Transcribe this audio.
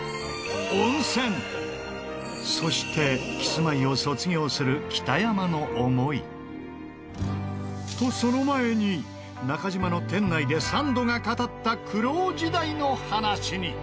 そしてキスマイを卒業するとその前になかじまの店内でサンドが語った苦労時代の話に。